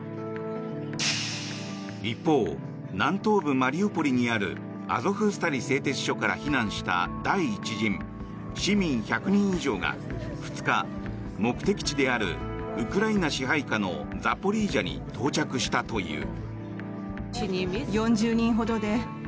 一方、南東部マリウポリにあるアゾフスタリ製鉄所から避難した第１陣市民１００人以上が２日、目的地であるウクライナ支配下のザポリージャに到着したという。